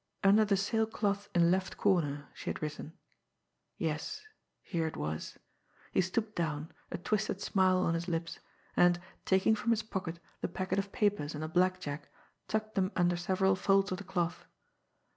"Under the sail cloth in left corner," she had written. Yes, here it was! He stooped down, a twisted smile on his lips, and, taking from his pocket the packet of papers and the blackjack, tucked them under several folds of the cloth.